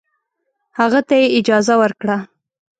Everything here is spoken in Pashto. هغه ته یې اجازه ورکړه.